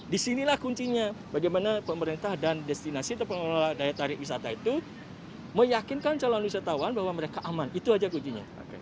disinilah kuncinya bagaimana pemerintah dan destinasi atau pengelola daya tarik wisata itu meyakinkan calon wisatawan bahwa mereka aman itu aja kuncinya